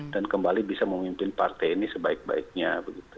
dan kembali bisa memimpin partai ini sebaik baiknya begitu